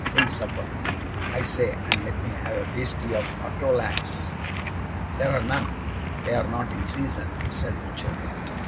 Bring supper, I say, and let me have a pasty of ortolans." "There are none they are not in season," said Richard.